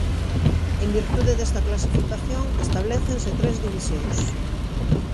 En virtude desta clasificación establécense tres divisións.